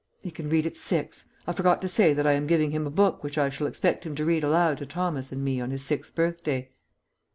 "He can read at six. I forgot to say that I am giving him a book which I shall expect him to read aloud to Thomas and me on his sixth birthday."